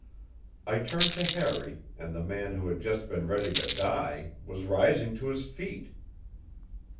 I turned to Harry, and the man who had just been ready to die was rising to his feet!